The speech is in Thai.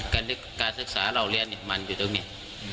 การศึกษาเราเรียนมันอยู่ตรงนี้